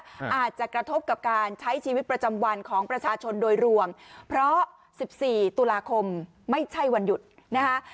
อาจจะกระทบกับการใช้ชีวิตประจำวันของประชาชนโดยรวมเพราะสิบสี่ตุลาคมไม่ใช่วันหยุดนะคะ